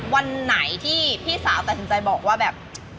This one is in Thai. วันไหนที่พี่สาวตัดสินใจบอกว่าแบบ